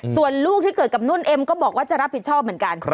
ส่วนลูกที่เกิดกับนุ่นเอ็มก็บอกว่าจะรับผิดชอบเหมือนกัน